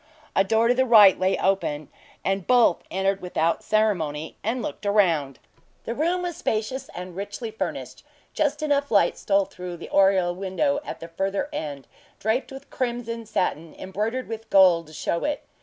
A door to the right lay open; and both entered without ceremony, and looked around. The room was spacious, and richly furnished. Just enough light stole through the oriel window at the further end, draped with crimson satin embroidered with gold, to show it.